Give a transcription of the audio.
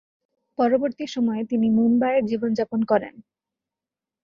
পরবর্তী সময়ে তিনি মুম্বইয়ে জীবনযাপন করেন।